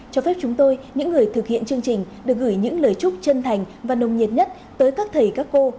cho phép chúng tôi những người thực hiện chương trình được gửi những lời chúc chân thành và nồng nhiệt nhất tới các thầy các cô